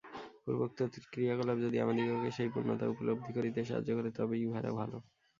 পূর্বোক্ত ক্রিয়াকলাপ যদি আমাদিগকে সেই পূর্ণতা উপলব্ধি করিতে সাহায্য করে, তবেই উহারা ভাল।